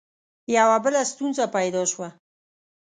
یوه بله ستونزه پیدا شوه.